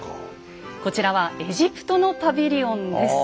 こちらはエジプトのパビリオンです。